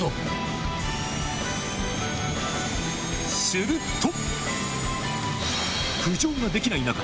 すると！